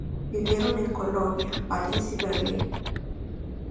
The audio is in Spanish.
Vivieron en Colonia, París y Berlín.